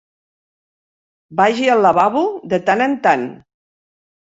Vagi al lavabo de tant en tant.